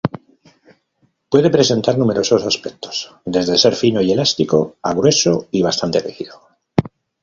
Puede presentar numerosos aspectos, desde ser fino y elástico a grueso y bastante rígido.